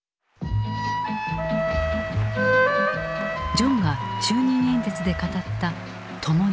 ジョンが就任演説で語った「ともに」